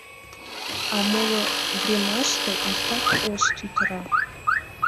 А моло времаште — эртак ош тӱтыра.